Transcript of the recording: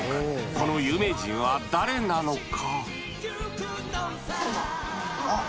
この有名人は誰なのか？